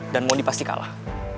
dan mondi pasti kalah